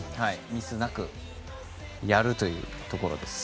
ミスなくやるというところです。